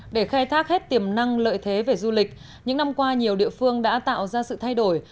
để khai thác hết tiềm năng lợi thế về du lịch những năm qua nhiều địa phương đã tạo ra sự thay đổi